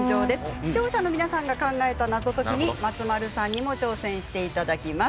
視聴者の皆さんが考えた謎解きに松丸さんにも挑戦していただきます。